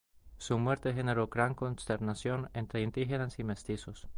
Su muerte generó gran consternación entre indígenas y mestizos.